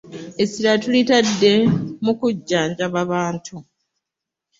Essira tulitadde mu kujjanjaba bantu.